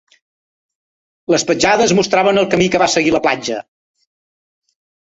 Les petjades mostraven el camí que va seguir a la platja.